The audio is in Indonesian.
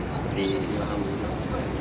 seperti ilhamuddin armain